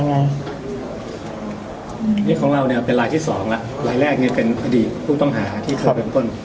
นี่ของเราเนี้ยเป็นลายที่สองละลายแรกเนี้ยเป็นอดีตผู้ต้องหาที่เคยเป็นคน